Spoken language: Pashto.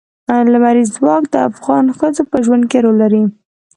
لمریز ځواک د افغان ښځو په ژوند کې رول لري.